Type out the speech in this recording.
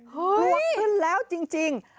กลัวขึ้นแล้วจริง